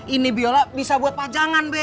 ini biola bisa buat pajangan be